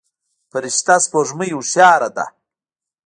فرشته سپوږمۍ هوښياره ده.